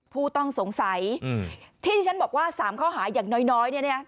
ผู้ต้องสงสัยที่ฉันบอกว่า๓ข้อหาอย่างน้อยเนี่ยเนี่ย